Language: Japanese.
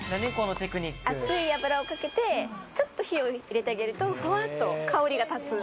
熱い油をかけて、ちょっと火を入れてあげると、ほわっと香りが立つんで。